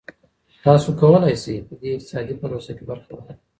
تاسو کولای شئ په دې اقتصادي پروسه کي برخه واخلئ.